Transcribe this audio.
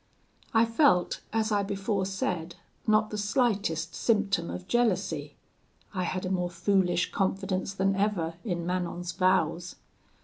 "I felt, as I before said, not the slightest symptom of jealousy: I had a more foolish confidence than ever in Manon's vows.